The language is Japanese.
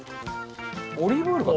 オリーブオイルかと。